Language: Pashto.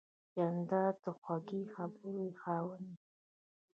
جانداد د خوږې خبرې خاوند دی.